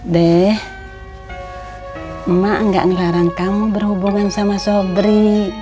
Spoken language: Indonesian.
deh emak nggak ngelarang kamu berhubungan sama sobri